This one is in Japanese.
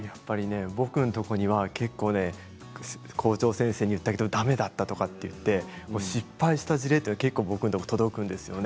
僕のところには結構校長先生に言ったけどだめだったとか失敗した事例がいっぱい届くんですよね。